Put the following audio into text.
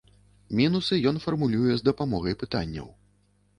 Мінусы ён фармулюе з дапамогай пытанняў.